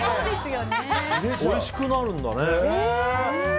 おいしくなるんだね。